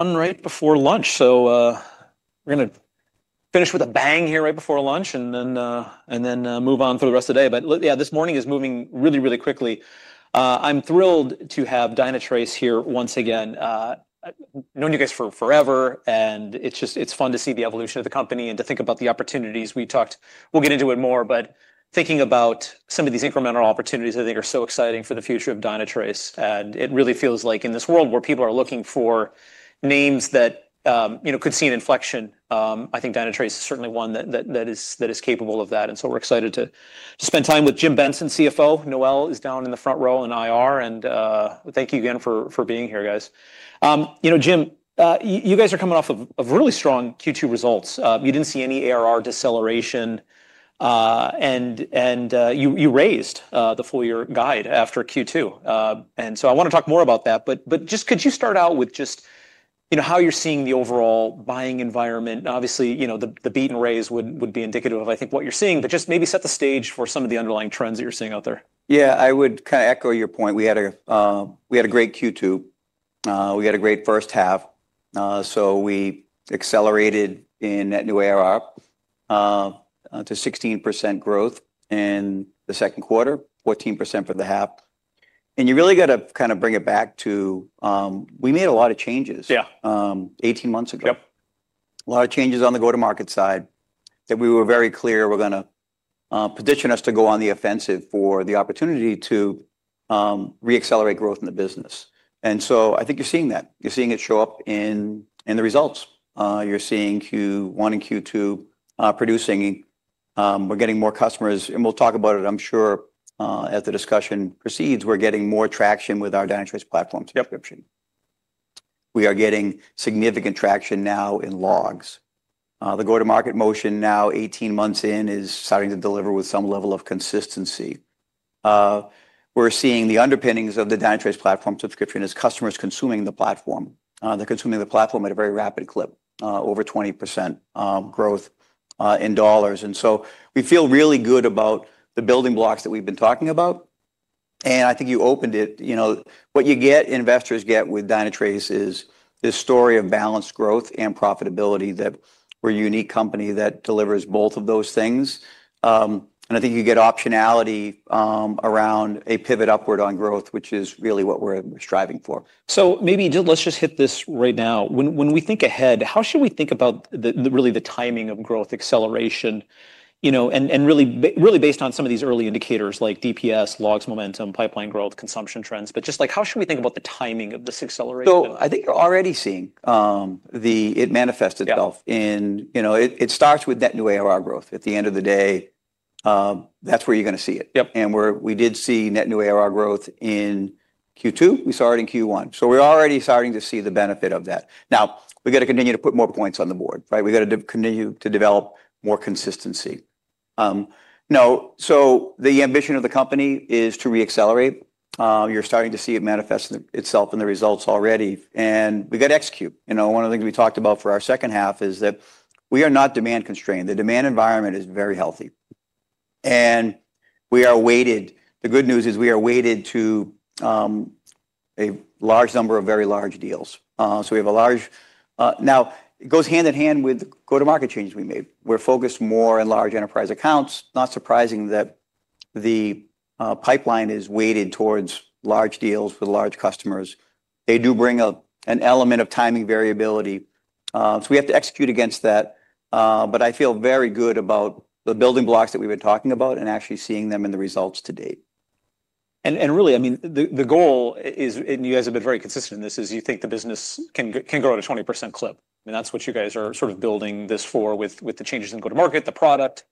On right before lunch, so we're going to finish with a bang here right before lunch, and then move on for the rest of the day. Yeah, this morning is moving really, really quickly. I'm thrilled to have Dynatrace here once again. I've known you guys for forever, and it's fun to see the evolution of the company and to think about the opportunities we talked. We'll get into it more, but thinking about some of these incremental opportunities I think are so exciting for the future of Dynatrace. It really feels like in this world where people are looking for names that could see an inflection, I think Dynatrace is certainly one that is capable of that. We're excited to spend time with Jim Benson, CFO. Noelle is down in the front row in IR. Thank you again for being here, guys. You know, Jim, you guys are coming off of really strong Q2 results. You did not see any ARR deceleration, and you raised the full-year guide after Q2. I want to talk more about that. Could you start out with just how you are seeing the overall buying environment? Obviously, the beat and raise would be indicative of, I think, what you are seeing, but maybe set the stage for some of the underlying trends that you are seeing out there. Yeah, I would kind of echo your point. We had a great Q2. We had a great first half. We accelerated in net new ARR to 16% growth in the second quarter, 14% for the half. You really got to kind of bring it back to we made a lot of changes 18 months ago. A lot of changes on the go-to-market side that we were very clear were going to position us to go on the offensive for the opportunity to re-accelerate growth in the business. I think you're seeing that. You're seeing it show up in the results. You're seeing Q1 and Q2 producing. We're getting more customers. We'll talk about it, I'm sure, as the discussion proceeds. We're getting more traction with our Dynatrace platform subscription. We are getting significant traction now in logs. The go-to-market motion now, 18 months in, is starting to deliver with some level of consistency. We're seeing the underpinnings of the Dynatrace platform subscription as customers consuming the platform. They're consuming the platform at a very rapid clip, over 20% growth in dollars. We feel really good about the building blocks that we've been talking about. I think you opened it. What you get, investors get with Dynatrace is this story of balanced growth and profitability that we're a unique company that delivers both of those things. I think you get optionality around a pivot upward on growth, which is really what we're striving for. Maybe let's just hit this right now. When we think ahead, how should we think about really the timing of growth acceleration? And really based on some of these early indicators like DPS, logs momentum, pipeline growth, consumption trends, but just how should we think about the timing of this acceleration? I think you're already seeing it manifest itself in it starts with net new ARR growth. At the end of the day, that's where you're going to see it. We did see net new ARR growth in Q2. We saw it in Q1. We're already starting to see the benefit of that. Now, we've got to continue to put more points on the board. We've got to continue to develop more consistency. The ambition of the company is to re-accelerate. You're starting to see it manifest itself in the results already. We've got to execute. One of the things we talked about for our second half is that we are not demand constrained. The demand environment is very healthy. The good news is we are weighted to a large number of very large deals. We have a large now, it goes hand in hand with go-to-market changes we made. We're focused more in large enterprise accounts. Not surprising that the pipeline is weighted towards large deals with large customers. They do bring an element of timing variability. We have to execute against that. I feel very good about the building blocks that we've been talking about and actually seeing them in the results to date. I mean, the goal, and you guys have been very consistent in this, is you think the business can grow at a 20% clip. That is what you guys are sort of building this for with the changes in go-to-market, the product.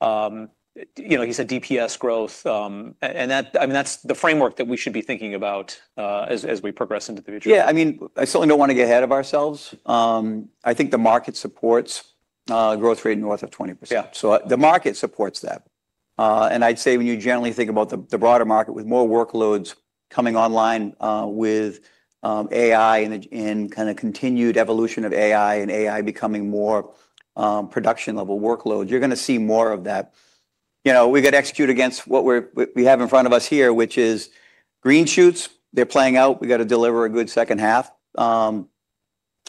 You said DPS growth. That is the framework that we should be thinking about as we progress into the future. Yeah, I mean, I certainly don't want to get ahead of ourselves. I think the market supports a growth rate north of 20%. The market supports that. I’d say when you generally think about the broader market with more workloads coming online with AI and kind of continued evolution of AI and AI becoming more production-level workloads, you're going to see more of that. We've got to execute against what we have in front of us here, which is green shoots. They're playing out. We've got to deliver a good second half. We've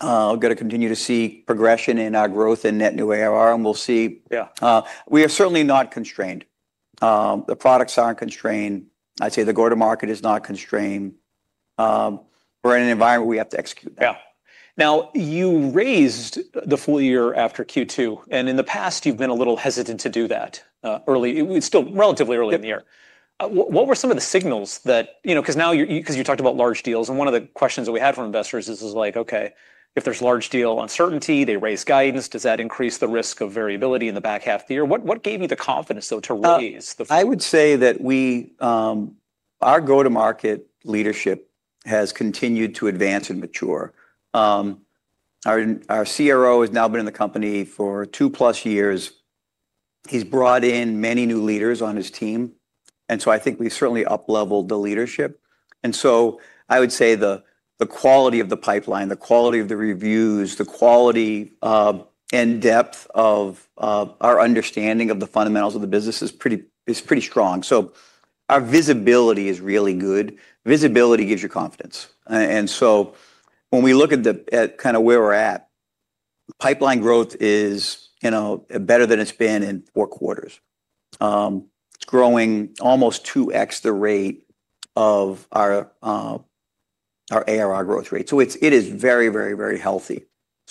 got to continue to see progression in our growth in net new ARR. We'll see. We are certainly not constrained. The products aren't constrained. I’d say the go-to-market is not constrained. We're in an environment where we have to execute that. Yeah. Now, you raised the full year after Q2. In the past, you've been a little hesitant to do that early. It was still relatively early in the year. What were some of the signals that, because now you talked about large deals, and one of the questions that we had from investors is like, "Okay, if there's large deal uncertainty, they raise guidance. Does that increase the risk of variability in the back half of the year?" What gave you the confidence, though, to raise the full year? I would say that our go-to-market leadership has continued to advance and mature. Our CRO has now been in the company for two-plus years. He's brought in many new leaders on his team. I think we've certainly upleveled the leadership. I would say the quality of the pipeline, the quality of the reviews, the quality and depth of our understanding of the fundamentals of the business is pretty strong. Our visibility is really good. Visibility gives you confidence. When we look at kind of where we're at, pipeline growth is better than it's been in four quarters. It's growing almost 2x the rate of our ARR growth rate. It is very, very, very healthy.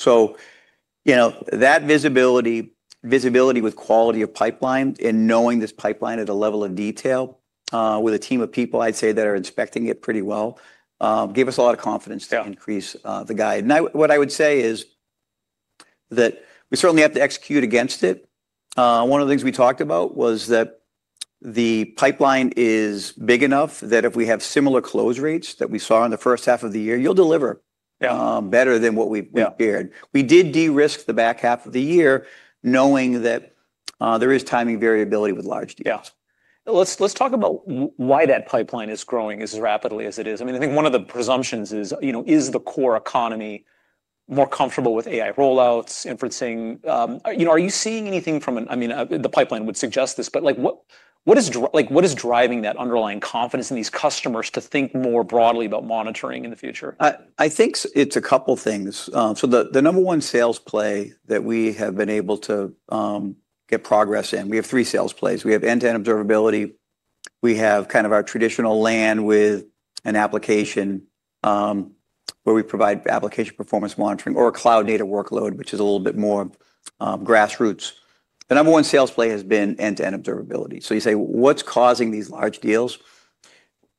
That visibility, visibility with quality of pipeline and knowing this pipeline at a level of detail with a team of people, I'd say, that are inspecting it pretty well, gave us a lot of confidence to increase the guide. What I would say is that we certainly have to execute against it. One of the things we talked about was that the pipeline is big enough that if we have similar close rates that we saw in the first half of the year, you'll deliver better than what we've prepared. We did de-risk the back half of the year knowing that there is timing variability with large deals. Yeah. Let's talk about why that pipeline is growing as rapidly as it is. I mean, I think one of the presumptions is, is the core economy more comfortable with AI rollouts, inferencing? Are you seeing anything from the pipeline would suggest this? What is driving that underlying confidence in these customers to think more broadly about monitoring in the future? I think it's a couple of things. The number one sales play that we have been able to get progress in, we have three sales plays. We have end-to-end observability. We have kind of our traditional land with an application where we provide application performance monitoring or a cloud data workload, which is a little bit more grassroots. The number one sales play has been end-to-end observability. You say, what's causing these large deals?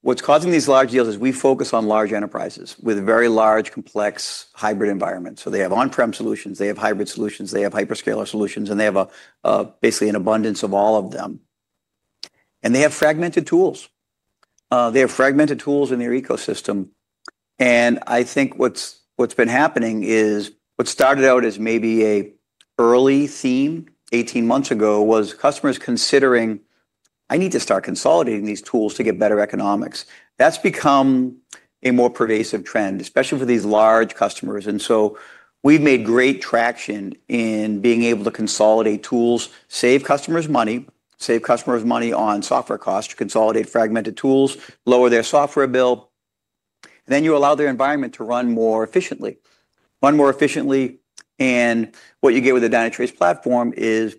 What's causing these large deals is we focus on large enterprises with very large, complex, hybrid environments. They have on-prem solutions. They have hybrid solutions. They have hyperscaler solutions. They have basically an abundance of all of them. They have fragmented tools. They have fragmented tools in their ecosystem. I think what's been happening is what started out as maybe an early theme 18 months ago was customers considering, "I need to start consolidating these tools to get better economics." That's become a more pervasive trend, especially for these large customers. We've made great traction in being able to consolidate tools, save customers money, save customers money on software costs, consolidate fragmented tools, lower their software bill. You allow their environment to run more efficiently. What you get with the Dynatrace platform is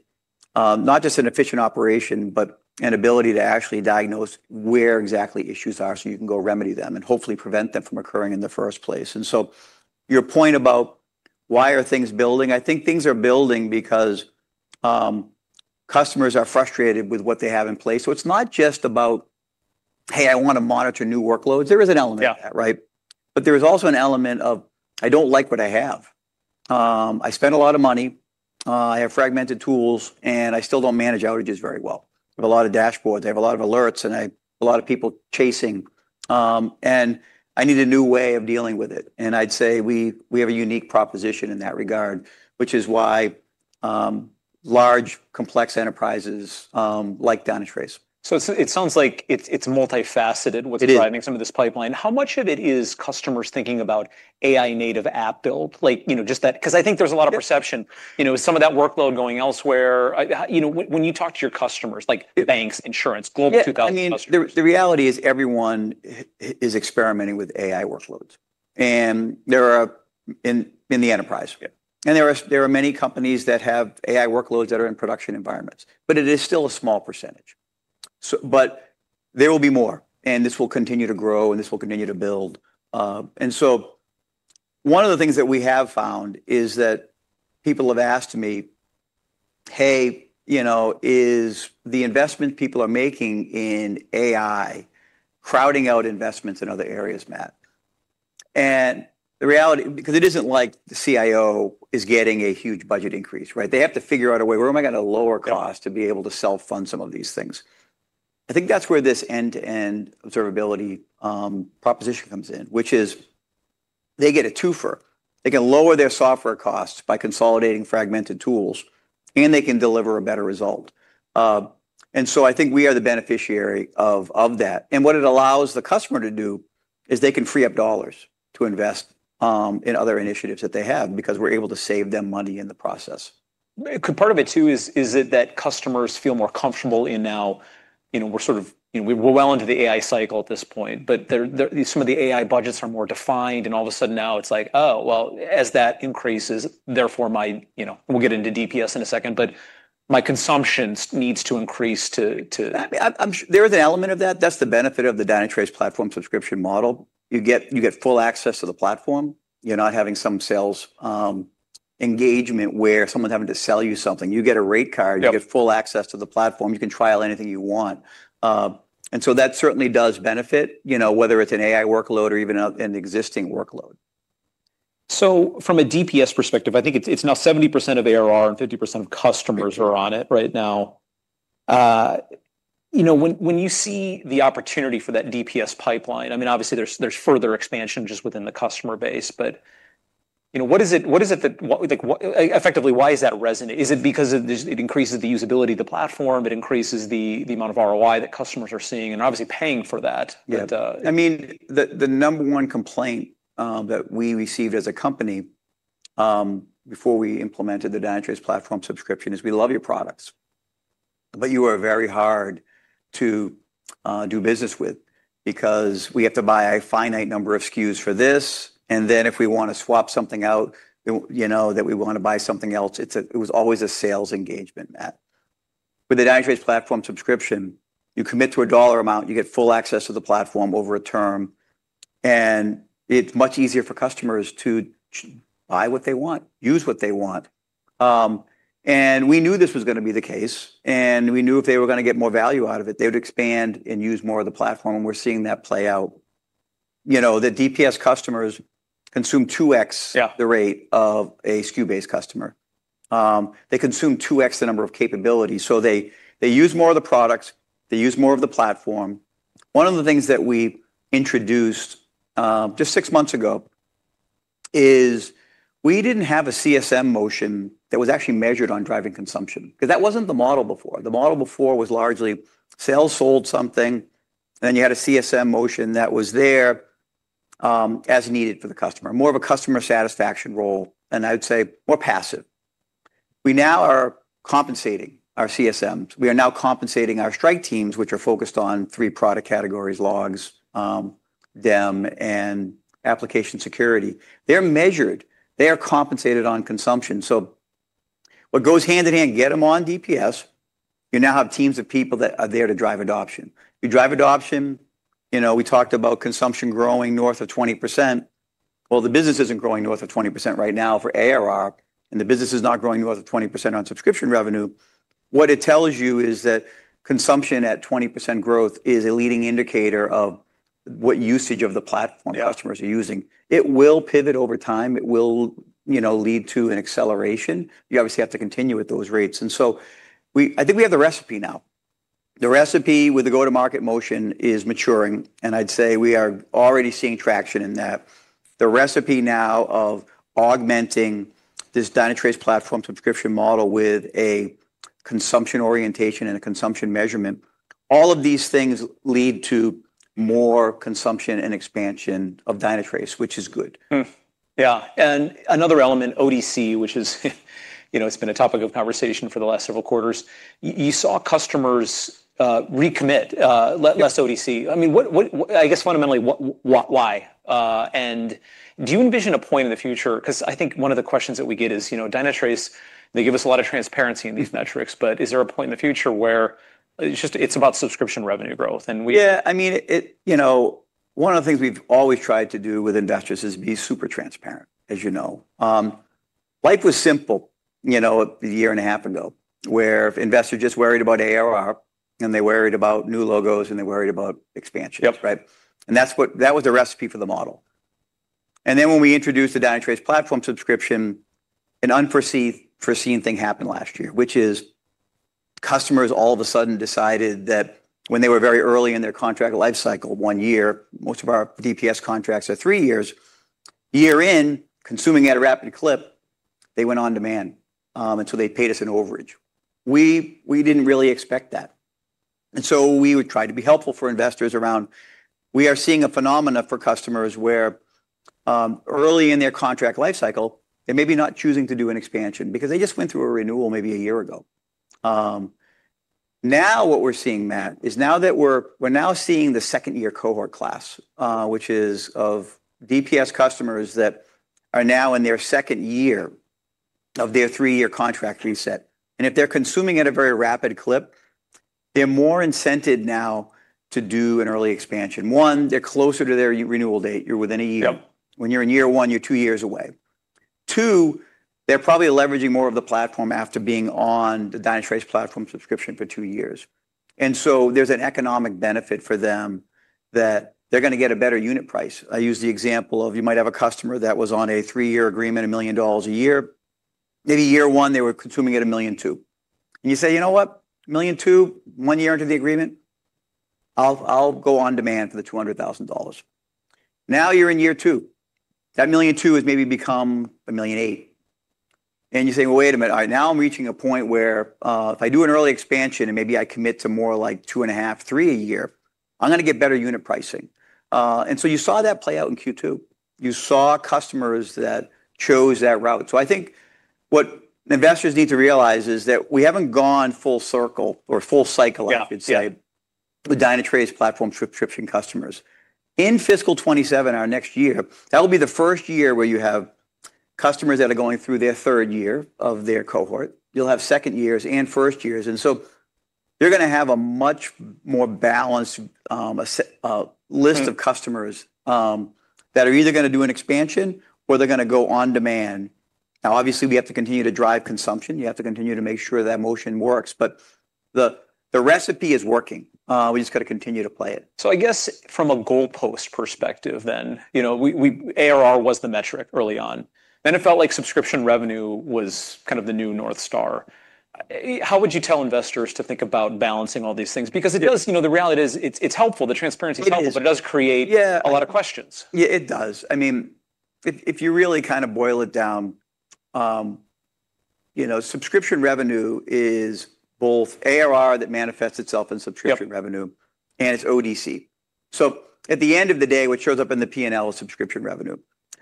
not just an efficient operation, but an ability to actually diagnose where exactly issues are so you can go remedy them and hopefully prevent them from occurring in the first place. Your point about why are things building? I think things are building because customers are frustrated with what they have in place. It is not just about, "Hey, I want to monitor new workloads." There is an element of that, right? There is also an element of, "I do not like what I have. I spent a lot of money. I have fragmented tools, and I still do not manage outages very well. I have a lot of dashboards. I have a lot of alerts, and I have a lot of people chasing. I need a new way of dealing with it." I would say we have a unique proposition in that regard, which is why large, complex enterprises like Dynatrace. It sounds like it's multifaceted what's driving some of this pipeline. How much of it is customers thinking about AI-native app build? Because I think there's a lot of perception. Some of that workload going elsewhere. When you talk to your customers, like banks, insurance, Global 2000 customers. Yeah. I mean, the reality is everyone is experimenting with AI workloads. And they're in the enterprise. And there are many companies that have AI workloads that are in production environments. But it is still a small percentage. But there will be more. And this will continue to grow. And this will continue to build. One of the things that we have found is that people have asked me, "Hey, is the investment people are making in AI crowding out investments in other areas, Matt?" The reality, because it isn't like the CIO is getting a huge budget increase, right? They have to figure out a way, where am I going to lower costs to be able to self-fund some of these things? I think that's where this end-to-end observability proposition comes in, which is they get a twofer. They can lower their software costs by consolidating fragmented tools, and they can deliver a better result. I think we are the beneficiary of that. What it allows the customer to do is they can free up dollars to invest in other initiatives that they have because we're able to save them money in the process. Part of it, too, is that customers feel more comfortable in now we're sort of we're well into the AI cycle at this point, but some of the AI budgets are more defined. All of a sudden now it's like, "Oh, well, as that increases, therefore my we'll get into DPS in a second, but my consumption needs to increase too. There is an element of that. That's the benefit of the Dynatrace platform subscription model. You get full access to the platform. You're not having some sales engagement where someone's having to sell you something. You get a rate card. You get full access to the platform. You can trial anything you want. That certainly does benefit, whether it's an AI workload or even an existing workload. From a DPS perspective, I think it's now 70% of ARR and 50% of customers are on it right now. When you see the opportunity for that DPS pipeline, I mean, obviously, there's further expansion just within the customer base. What is it that effectively, why is that resonant? Is it because it increases the usability of the platform? It increases the amount of ROI that customers are seeing and obviously paying for that? Yeah. I mean, the number one complaint that we received as a company before we implemented the Dynatrace platform subscription is, "We love your products, but you are very hard to do business with because we have to buy a finite number of SKUs for this. And then if we want to swap something out, that we want to buy something else," it was always a sales engagement, Matt. With the Dynatrace platform subscription, you commit to a dollar amount. You get full access to the platform over a term. It's much easier for customers to buy what they want, use what they want. We knew this was going to be the case. We knew if they were going to get more value out of it, they would expand and use more of the platform. We're seeing that play out. The DPS customers consume 2x the rate of a SKU-based customer. They consume 2x the number of capabilities. They use more of the products. They use more of the platform. One of the things that we introduced just six months ago is we did not have a CSM motion that was actually measured on driving consumption because that was not the model before. The model before was largely sales sold something. You had a CSM motion that was there as needed for the customer, more of a customer satisfaction role. I would say more passive. We now are compensating our CSMs. We are now compensating our strike teams, which are focused on three product categories: logs, DEM, and application security. They are measured. They are compensated on consumption. What goes hand in hand, get them on DPS. You now have teams of people that are there to drive adoption. You drive adoption. We talked about consumption growing north of 20%. The business is not growing north of 20% right now for ARR. The business is not growing north of 20% on subscription revenue. What it tells you is that consumption at 20% growth is a leading indicator of what usage of the platform customers are using. It will pivot over time. It will lead to an acceleration. You obviously have to continue at those rates. I think we have the recipe now. The recipe with the go-to-market motion is maturing. I'd say we are already seeing traction in that. The recipe now of augmenting this Dynatrace platform subscription model with a consumption orientation and a consumption measurement, all of these things lead to more consumption and expansion of Dynatrace, which is good. Yeah. Another element, ODC, which has been a topic of conversation for the last several quarters. You saw customers recommit, less ODC. I mean, I guess fundamentally, why? Do you envision a point in the future? Because I think one of the questions that we get is Dynatrace, they give us a lot of transparency in these metrics, but is there a point in the future where it's about subscription revenue growth? We. Yeah. I mean, one of the things we've always tried to do with investors is be super transparent, as you know. Life was simple a year and a half ago where investors just worried about ARR, and they worried about new logos, and they worried about expansion, right? That was the recipe for the model. When we introduced the Dynatrace platform subscription, an unforeseen thing happened last year, which is customers all of a sudden decided that when they were very early in their contract lifecycle, one year, most of our DPS contracts are three years, year in, consuming at a rapid clip, they went on demand. They paid us an overage. We didn't really expect that. We would try to be helpful for investors around. We are seeing a phenomena for customers where early in their contract lifecycle, they may be not choosing to do an expansion because they just went through a renewal maybe a year ago. Now what we're seeing, Matt, is now that we're now seeing the second-year cohort class, which is of DPS customers that are now in their second year of their three-year contract reset. If they're consuming at a very rapid clip, they're more incented now to do an early expansion. One, they're closer to their renewal date. You're within a year. When you're in year one, you're two years away. Two, they're probably leveraging more of the platform after being on the Dynatrace Platform Subscription for two years. There is an economic benefit for them that they're going to get a better unit price. I use the example of you might have a customer that was on a three-year agreement, $1 million a year. Maybe year one, they were consuming at $1.2 million. And you say, "You know what? $1.2 million, one year into the agreement, I'll go on demand for the $200,000." Now you're in year two. That $1.2 million has maybe become $1.8 million. And you say, "Wait a minute. Now I'm reaching a point where if I do an early expansion and maybe I commit to more like $2.5 million-$3 million a year, I'm going to get better unit pricing." You saw that play out in Q2. You saw customers that chose that route. I think what investors need to realize is that we haven't gone full circle or full cycle, I should say, with Dynatrace platform subscription customers. In fiscal 2027, our next year, that will be the first year where you have customers that are going through their third year of their cohort. You'll have second years and first years. You're going to have a much more balanced list of customers that are either going to do an expansion or they're going to go on demand. Obviously, we have to continue to drive consumption. You have to continue to make sure that motion works. The recipe is working. We just got to continue to play it. I guess from a goalpost perspective then, ARR was the metric early on. Then it felt like subscription revenue was kind of the new North Star. How would you tell investors to think about balancing all these things? Because it does, the reality is it's helpful. The transparency is helpful, but it does create a lot of questions. Yeah, it does. I mean, if you really kind of boil it down, subscription revenue is both ARR that manifests itself in subscription revenue and it's ODC. At the end of the day, what shows up in the P&L is subscription revenue.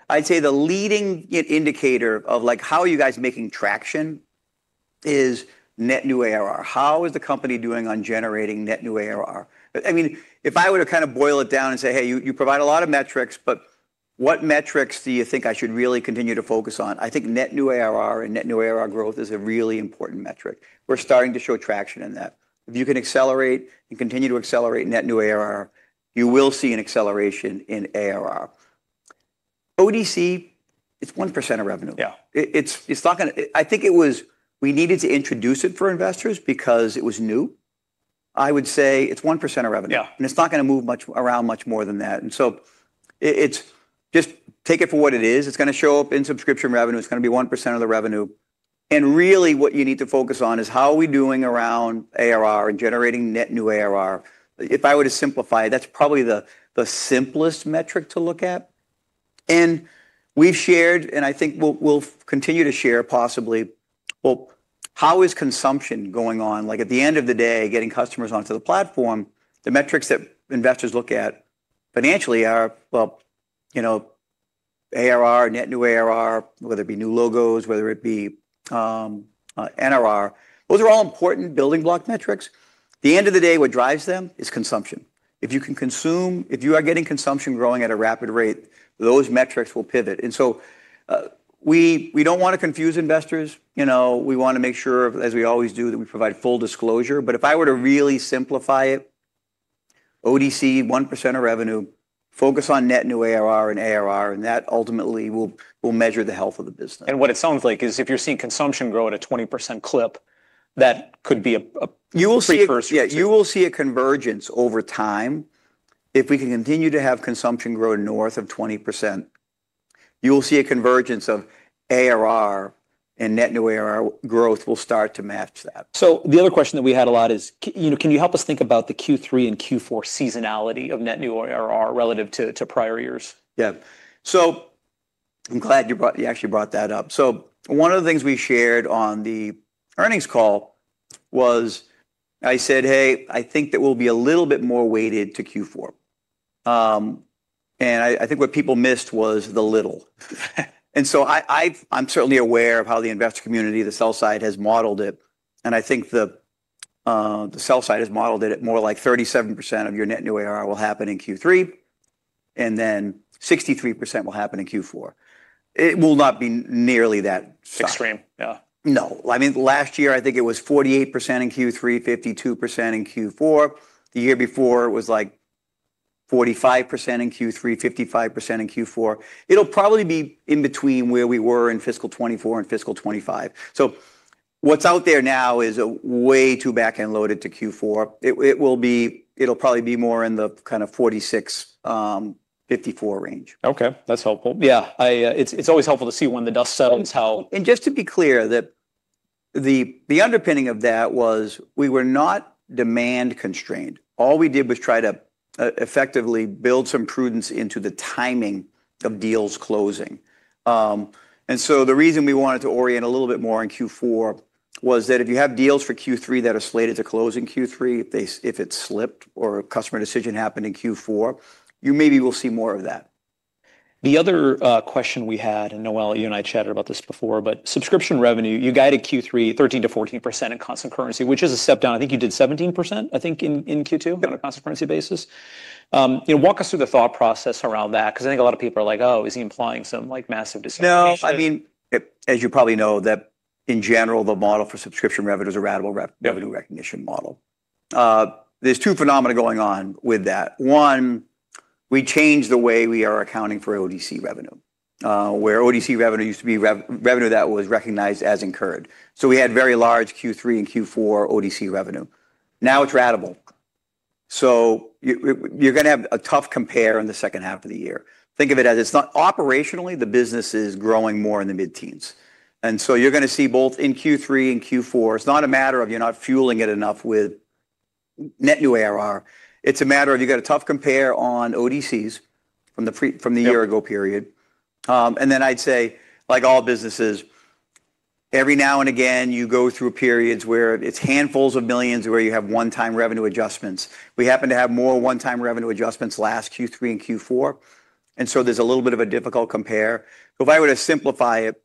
I'd say the leading indicator of how are you guys making traction is net new ARR. How is the company doing on generating net new ARR? I mean, if I were to kind of boil it down and say, "Hey, you provide a lot of metrics, but what metrics do you think I should really continue to focus on?" I think net new ARR and net new ARR growth is a really important metric. We're starting to show traction in that. If you can accelerate and continue to accelerate net new ARR, you will see an acceleration in ARR. ODC, it's 1% of revenue. I think it was we needed to introduce it for investors because it was new. I would say it's 1% of revenue. It's not going to move around much more than that. Just take it for what it is. It's going to show up in subscription revenue. It's going to be 1% of the revenue. Really what you need to focus on is how are we doing around ARR and generating net new ARR? If I were to simplify it, that's probably the simplest metric to look at. We've shared, and I think we'll continue to share possibly, how is consumption going on? At the end of the day, getting customers onto the platform, the metrics that investors look at financially are ARR, net new ARR, whether it be new logos, whether it be NRR. Those are all important building block metrics. At the end of the day, what drives them is consumption. If you can consume, if you are getting consumption growing at a rapid rate, those metrics will pivot. We do not want to confuse investors. We want to make sure, as we always do, that we provide full disclosure. If I were to really simplify it, ODC, 1% of revenue, focus on net new ARR and ARR, and that ultimately will measure the health of the business. What it sounds like is if you're seeing consumption grow at a 20% clip, that could be a preferred strategy. You will see a convergence over time. If we can continue to have consumption grow north of 20%, you will see a convergence of ARR and net new ARR growth will start to match that. The other question that we had a lot is, can you help us think about the Q3 and Q4 seasonality of net new ARR relative to prior years? Yeah. I'm glad you actually brought that up. One of the things we shared on the earnings call was I said, "Hey, I think that we'll be a little bit more weighted to Q4." I think what people missed was the little. I'm certainly aware of how the investor community, the sell side has modeled it. I think the sell side has modeled it at more like 37% of your net new ARR will happen in Q3, and then 63% will happen in Q4. It will not be nearly that. Extreme. Yeah. No. I mean, last year, I think it was 48% in Q3, 52% in Q4. The year before, it was like 45% in Q3, 55% in Q4. It'll probably be in between where we were in fiscal 2024 and fiscal 2025. What's out there now is way too backhand loaded to Q4. It'll probably be more in the kind of 46%-54% range. Okay. That's helpful. Yeah. It's always helpful to see when the dust settles how. Just to be clear, the underpinning of that was we were not demand constrained. All we did was try to effectively build some prudence into the timing of deals closing. The reason we wanted to orient a little bit more in Q4 was that if you have deals for Q3 that are slated to close in Q3, if it slipped or a customer decision happened in Q4, you maybe will see more of that. The other question we had, and Noelle, you and I chatted about this before, but subscription revenue, you guided Q3 13%-14% in constant currency, which is a step down. I think you did 17%, I think, in Q2 on a constant currency basis. Walk us through the thought process around that because I think a lot of people are like, "Oh, is he implying some massive disinflation? No. I mean, as you probably know, that in general, the model for subscription revenue is a ratable revenue recognition model. There's two phenomena going on with that. One, we changed the way we are accounting for ODC revenue, where ODC revenue used to be revenue that was recognized as incurred. So we had very large Q3 and Q4 ODC revenue. Now it's ratable. You're going to have a tough compare in the second half of the year. Think of it as it's not operationally, the business is growing more in the mid-teens. You're going to see both in Q3 and Q4. It's not a matter of you're not fueling it enough with net new ARR. It's a matter of you got a tough compare on ODCs from the year-ago period. I'd say, like all businesses, every now and again, you go through periods where it's handfuls of millions where you have one-time revenue adjustments. We happen to have more one-time revenue adjustments last Q3 and Q4. There's a little bit of a difficult compare. If I were to simplify it,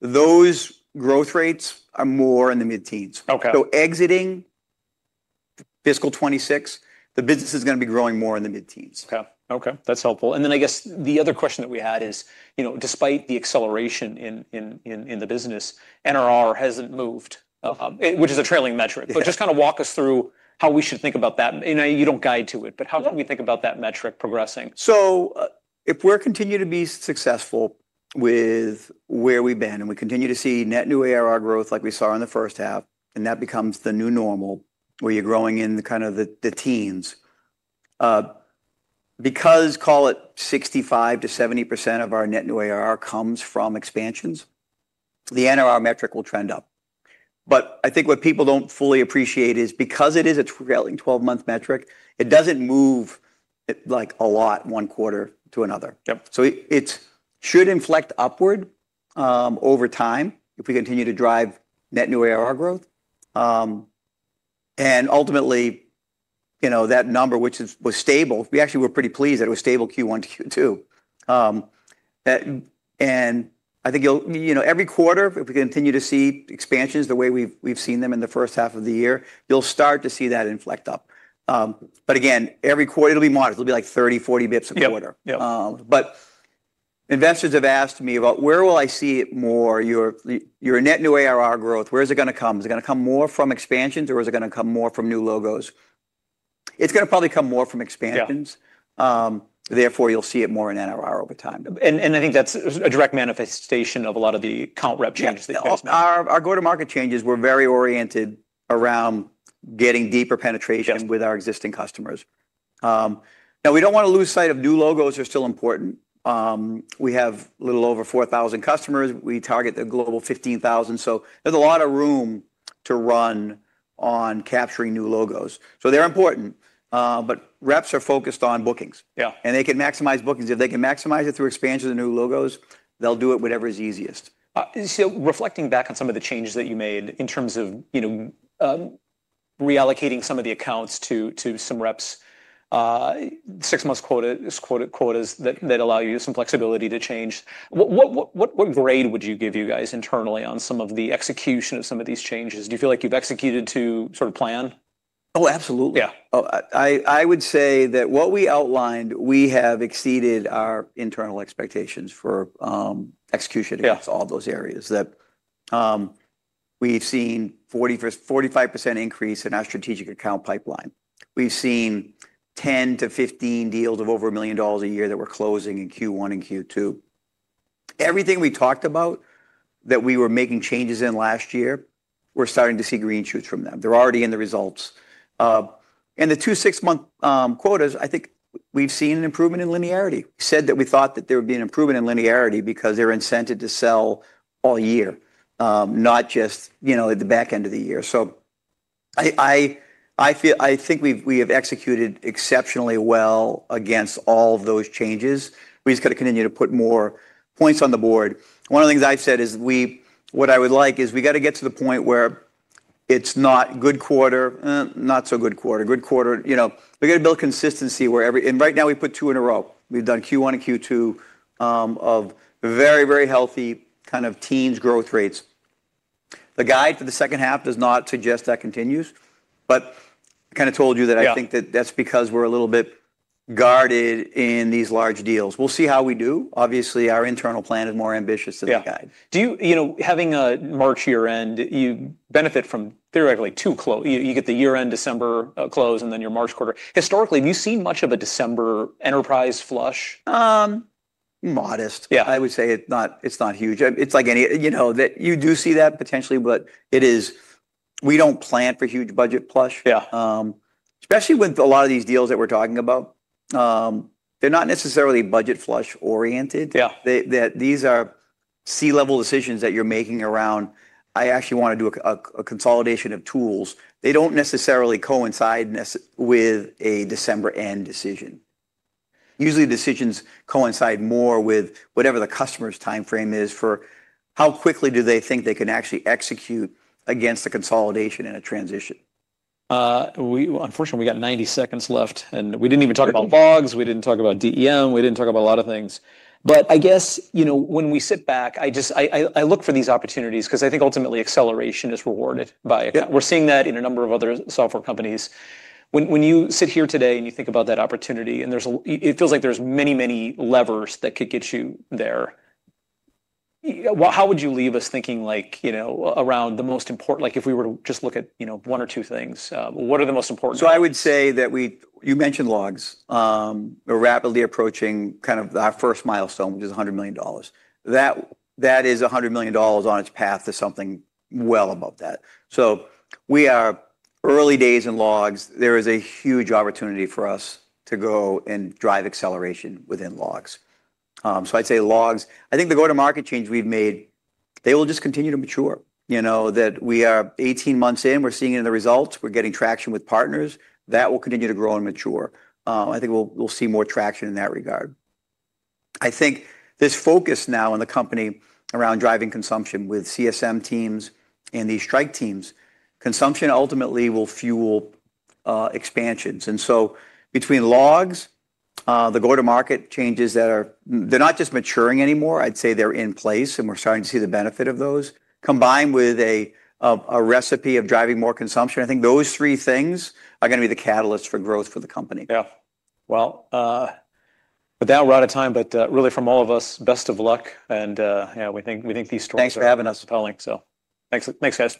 those growth rates are more in the mid-teens. Exiting fiscal 2026, the business is going to be growing more in the mid-teens. Okay. Okay. That's helpful. I guess the other question that we had is, despite the acceleration in the business, NRR hasn't moved, which is a trailing metric. Just kind of walk us through how we should think about that. You don't guide to it, but how can we think about that metric progressing? If we're continuing to be successful with where we've been and we continue to see net new ARR growth like we saw in the first half, and that becomes the new normal where you're growing in kind of the teens, because call it 65%-70% of our net new ARR comes from expansions, the NRR metric will trend up. I think what people do not fully appreciate is because it is a trailing 12-month metric, it does not move a lot one quarter to another. It should inflect upward over time if we continue to drive net new ARR growth. Ultimately, that number, which was stable, we actually were pretty pleased that it was stable Q1 to Q2. I think every quarter, if we continue to see expansions the way we've seen them in the first half of the year, you'll start to see that inflect up. Again, every quarter, it'll be modest. It'll be like 30, 40 basis points a quarter. Investors have asked me about where will I see more your net new ARR growth. Where is it going to come? Is it going to come more from expansions, or is it going to come more from new logos? It's going to probably come more from expansions. Therefore, you'll see it more in NRR over time. I think that's a direct manifestation of a lot of the account rep changes that you've mentioned. Our go-to-market changes were very oriented around getting deeper penetration with our existing customers. Now, we do not want to lose sight of new logos. They are still important. We have a little over 4,000 customers. We target the global 15,000. There is a lot of room to run on capturing new logos. They are important. Reps are focused on bookings. They can maximize bookings. If they can maximize it through expansion of new logos, they will do it whatever is easiest. Reflecting back on some of the changes that you made in terms of reallocating some of the accounts to some reps, six-month quotas that allow you some flexibility to change, what grade would you give you guys internally on some of the execution of some of these changes? Do you feel like you've executed to sort of plan? Oh, absolutely. I would say that what we outlined, we have exceeded our internal expectations for execution across all those areas. We've seen a 45% increase in our strategic account pipeline. We've seen 10-15 deals of over a million dollars a year that were closing in Q1 and Q2. Everything we talked about that we were making changes in last year, we're starting to see green shoots from them. They're already in the results. The two six-month quotas, I think we've seen an improvement in linearity. We said that we thought that there would be an improvement in linearity because they're incented to sell all year, not just at the back end of the year. I think we have executed exceptionally well against all of those changes. We just got to continue to put more points on the board. One of the things I've said is what I would like is we got to get to the point where it's not good quarter, not so good quarter, good quarter. We got to build consistency where every, and right now we put two in a row. We've done Q1 and Q2 of very, very healthy kind of teens growth rates. The guide for the second half does not suggest that continues. I kind of told you that I think that that's because we're a little bit guarded in these large deals. We'll see how we do. Obviously, our internal plan is more ambitious than the guide. Having a March year-end, you benefit from theoretically two closes. You get the year-end December close and then your March quarter. Historically, have you seen much of a December enterprise flush? Modest. I would say it's not huge. It's like any that you do see that potentially, but it is we don't plan for huge budget flush. Especially with a lot of these deals that we're talking about, they're not necessarily budget flush oriented. These are C-level decisions that you're making around, "I actually want to do a consolidation of tools." They don't necessarily coincide with a December end decision. Usually, decisions coincide more with whatever the customer's timeframe is for how quickly do they think they can actually execute against the consolidation in a transition. Unfortunately, we got 90 seconds left. We didn't even talk about Logs. We didn't talk about DEM. We didn't talk about a lot of things. I guess when we sit back, I look for these opportunities because I think ultimately acceleration is rewarded by. We're seeing that in a number of other software companies. When you sit here today and you think about that opportunity, it feels like there's many, many levers that could get you there. How would you leave us thinking around the most important if we were to just look at one or two things? What are the most important? I would say that you mentioned logs. We're rapidly approaching kind of our first milestone, which is $100 million. That is $100 million on its path to something well above that. We are early days in logs. There is a huge opportunity for us to go and drive acceleration within logs. I'd say logs, I think the go-to-market change we've made, they will just continue to mature. We are 18 months in, we're seeing it in the results, we're getting traction with partners. That will continue to grow and mature. I think we'll see more traction in that regard. I think this focus now in the company around driving consumption with CSM teams and these strike teams, consumption ultimately will fuel expansions. Between logs, the go-to-market changes that are they're not just maturing anymore. I'd say they're in place, and we're starting to see the benefit of those. Combined with a recipe of driving more consumption, I think those three things are going to be the catalyst for growth for the company. Yeah. We're down right out of time, but really from all of us, best of luck. And we thank these stories. Thanks for having us, Paul. Thanks.